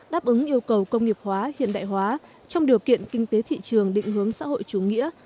đáp ứng yêu cầu công nghiệp hóa hiện đại hóa trong điều kiện kinh tế thị trường định hướng xã hội chủ nghĩa